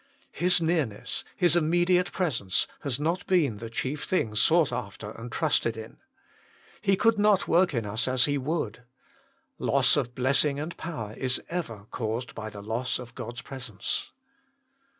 His nearness, His immediate presence, has not been the chief thing sought after and trusted in. He could not work in us as He would. Loss of bless ing and power is ever caused by the loss of God s presence.